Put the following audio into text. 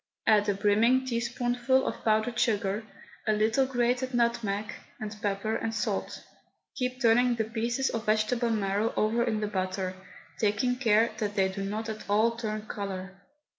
Add a brimming teaspoonful of powdered sugar, a little grated nutmeg, and pepper and salt. Keep turning the pieces of vegetable marrow over in the butter, taking care that they do not at all turn colour.